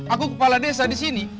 aku kepala desa di sini